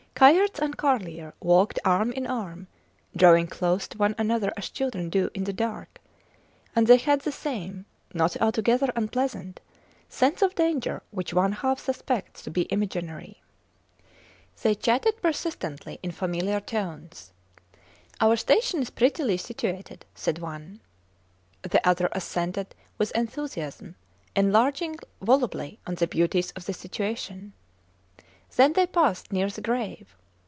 Kayerts and Carlier walked arm in arm, drawing close to one another as children do in the dark; and they had the same, not altogether unpleasant, sense of danger which one half suspects to be imaginary. They chatted persistently in familiar tones. Our station is prettily situated, said one. The other assented with enthusiasm, enlarging volubly on the beauties of the situation. Then they passed near the grave.